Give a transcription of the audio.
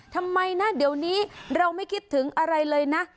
ทำไมนะเดี๋ยวนี้เราไม่คิดถึงอะไรเลยนะ